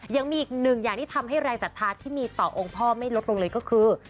ยังมีอีกหนึ่งอย่างที่ทำให้แรงศรัทธาที่มีต่อองค์พ่อไม่ลดลงเลยก็คือ